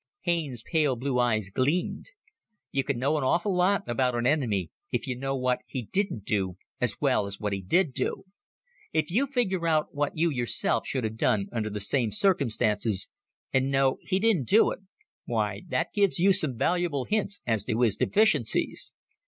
Haines's pale blue eyes gleamed. "You can know an awful lot about an enemy if you know what he didn't do as well as what he did do. If you figure out what you yourself should have done under the same circumstances, and know he didn't do, why, that gives you some valuable hints as to his deficiencies.